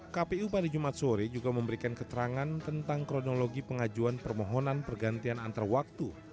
kpu pada jumat sore juga memberikan keterangan tentang kronologi pengajuan permohonan pergantian antar waktu